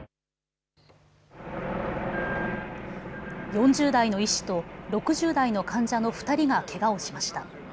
４０代の医師と６０代の患者の２人がけがをしました。